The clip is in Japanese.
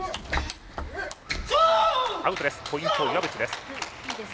ポイント、岩渕です。